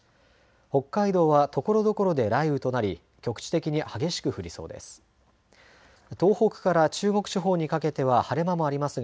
北海道はところどころで雷雨となり局地的に激しく降りそうです。